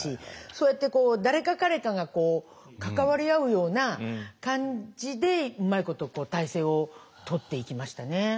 そうやって誰か彼かがこう関わり合うような感じでうまいこと態勢をとっていきましたね。